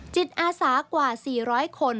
จิตอาสากว่า๔๐๐คน